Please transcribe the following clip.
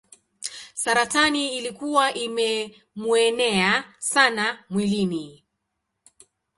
Saratani ilikuwa imemuenea sana mwilini.